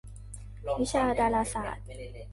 วิชาดาราศาสตร์